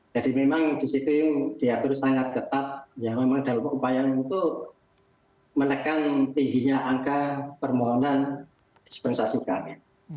jadi memang di situ diatur sangat ketat ya memang dalam upaya untuk menekan tingginya angka permohonan dispensasi kami